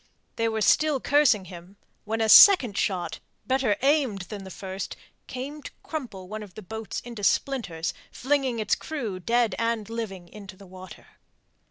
They were still cursing him when a second shot, better aimed than the first, came to crumple one of the boats into splinters, flinging its crew, dead and living, into the water.